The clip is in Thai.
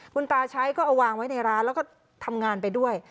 คุณตาใช้ก็เอาวางไว้ในร้านแล้วก็ทำงานไปด้วย